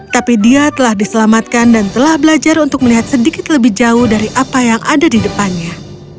tapi dia telah diselamatkan dan telah belajar untuk melihat sedikit lebih jauh dari apa yang ada di depannya